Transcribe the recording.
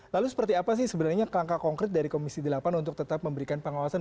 lalu seperti apa sih sebenarnya kelangka konkret dari komisi delapan untuk tetap memberikan pengawasan